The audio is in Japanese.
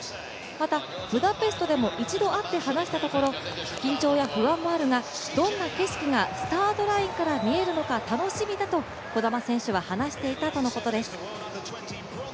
またブダペストでも一度会って話したところ緊張や不安はあるが、どんな景色がスタートラインから見えるのか楽しみだと児玉選手は話していたとのことです。